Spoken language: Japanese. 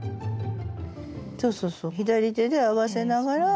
そうそうそう左手で合わせながら。